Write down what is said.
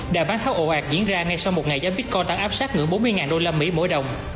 đà bán tháo ồ ạt diễn ra ngay sau một ngày giá bitco tăng áp sát ngưỡng bốn mươi usd mỗi đồng